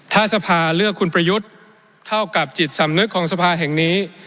ถ้าสภาเลือกคุณประยุทธ์เท่ากับจิตสำนึกของสภาแห่งนี้